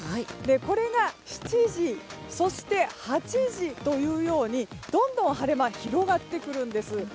これが７時、そして８時というようにどんどん晴れ間広がってくるんです。